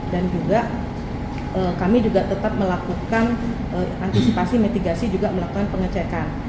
dan juga kami juga tetap melakukan antisipasi mitigasi juga melakukan pengecekan